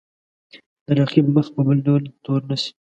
د رقیب مخ په بل ډول تور نه شي.